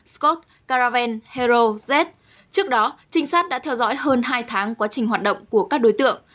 ba trăm linh năm scott caravan hero z trước đó trinh sát đã theo dõi hơn hai tháng quá trình hoạt động của các đối tượng